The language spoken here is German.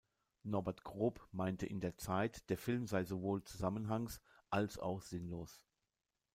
Norbert Grob meinte in der "Zeit", der Film sei sowohl zusammenhangs- als auch sinnlos.